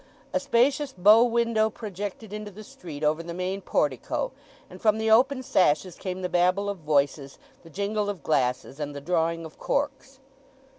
A spacious bow window projected into the street over the main portico, and from the open sashes came the babble of voices, the jingle of glasses, and the drawing of corks.